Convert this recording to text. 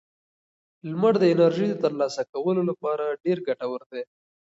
لمر د انرژۍ د ترلاسه کولو لپاره ډېر ګټور دی.